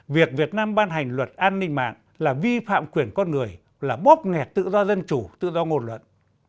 việc việt nam ban hành luật an ninh mạng là vi phạm quyền con người là bóp nghẹt tự do dân chủ tự do ngôn luận